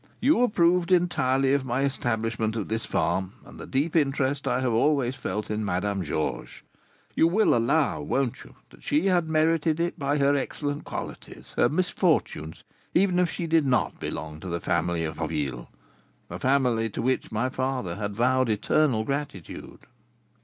You approved entirely of my establishment of this farm, and the deep interest I have always felt in Madame Georges. You will allow, won't you, that she had merited it by her excellent qualities, her misfortunes, even if she did not belong to the family of Harville, a family to which my father had vowed eternal gratitude."